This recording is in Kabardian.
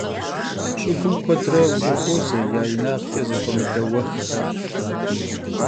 Ş'ıgum kuedre vuşıxuoze ya yinağç'e zexuemıde vuexxem.